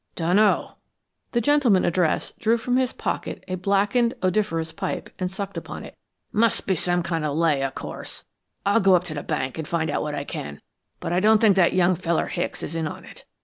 "Dunno." The gentleman addressed drew from his pocket a blackened, odoriferous pipe and sucked upon it. "Must be some lay, of course. I'll go up to the bank and find out what I can, but I don't think that young feller, Hicks, is in on it.